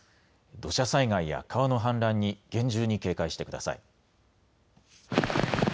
土砂災害や川の氾濫に厳重に警戒してください。